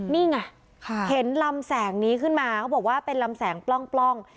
นี่ไงเห็นลำแสงนี้ขึ้นมาเขาบอกว่าเป็นลำแสงปล้อง